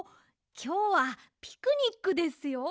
きょうはピクニックですよ。